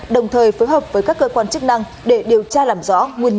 đồng thời phối hợp với các cơ quan chức năng để điều tra làm rõ nguyên nhân của vụ cháy